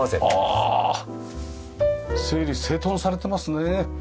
ああ整理整頓されてますね。